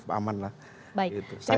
dibandingkan masih relatif aman lah